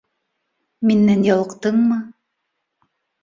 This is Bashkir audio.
Минән ялҡтыңмы?!